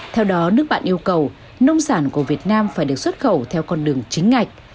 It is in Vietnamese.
theo đó nước bạn yêu cầu nông sản của việt nam phải được xuất khẩu theo con đường chính ngạch